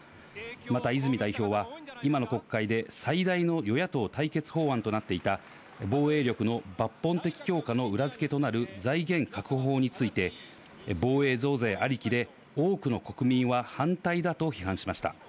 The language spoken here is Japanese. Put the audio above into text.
また泉代表は、今の国会で、最大の与野党対決法案となっていた、防衛力の抜本的強化の裏付けとなる財源確保法について、防衛増税ありきで、多くの国民は反対だと批判しました。